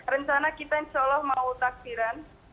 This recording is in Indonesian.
rencana kita insya allah mau taksiran